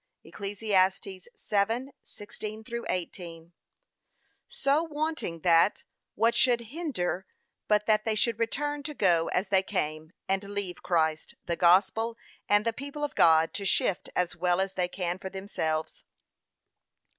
(Eccl. 7:16 18) So wanting that, what should hinder but that they should return to go as they came, and leave Christ, the gospel, and the people of God to shift as well as they can for themselves.